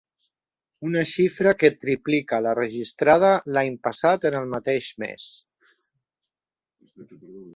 Una xifra que triplica la registrada l’any passat en el mateix mes.